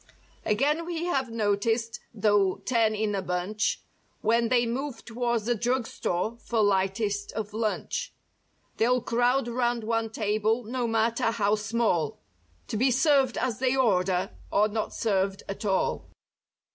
Again we have noticed, though ten in a bunch When they move towards the drug store for lightest of lunch. They'll crowd 'round one table, no matter how small. To be served as they order, or not served at all.